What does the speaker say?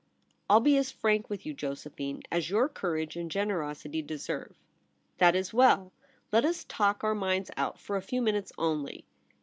'I'll be as frank with you, Josephine, as your courage and generosity deserve.' ' That is well. Let us talk our minds out for a few minutes only.